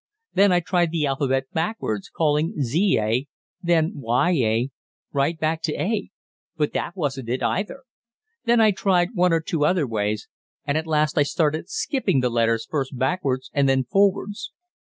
Then I tried the alphabet backwards, calling 'z' 'a'; then 'y' 'a'; right back to 'a,' but that wasn't it either. Then I tried one or two other ways, and at last I started skipping the letters first backwards, and then forwards.